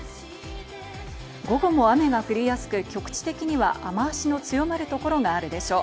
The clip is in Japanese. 午後も雨が降りやすく局地的には雨脚の強まる所があるでしょう。